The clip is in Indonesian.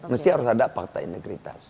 mesti harus ada fakta integritas